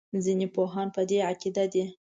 ځینې پوهان په دې عقیده دي.